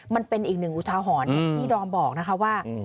มันเป็นอีกหนึ่งอุทาหรณ์อย่างที่ดอมบอกนะคะว่า